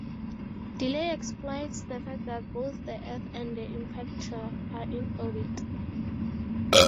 Delay exploits the fact that both the Earth and the impactor are in orbit.